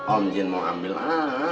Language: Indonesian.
om jin mau ambillah